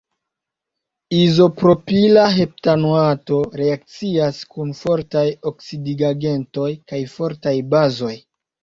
Izopropila heptanoato reakcias kun fortaj oksidigagentoj kaj fortaj bazoj.